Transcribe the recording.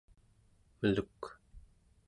meluk